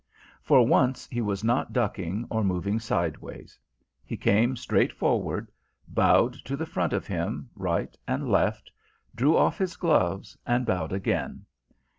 For once he was not ducking or moving sideways; he came straight forward, bowed to the front of him, right and left; drew off his gloves and bowed again.